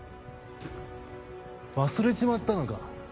忘れちまったのか？